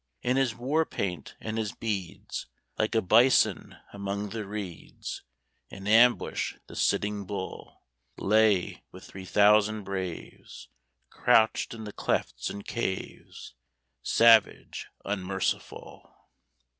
In his war paint and his beads, Like a bison among the reeds, In ambush the Sitting Bull Lay with three thousand braves Crouched in the clefts and caves, Savage, unmerciful!